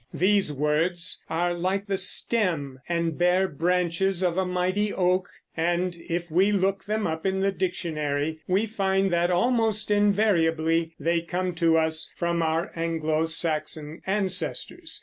These words are like the stem and bare branches of a mighty oak, and if we look them up in the dictionary we find that almost invariably they come to us from our Anglo Saxon ancestors.